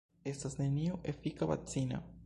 Estas neniu efika vakcino.